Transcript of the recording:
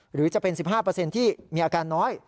หรือจะเป็น๑๕ที่มีอาการน้อย